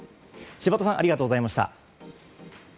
柴戸さんありがとうございました。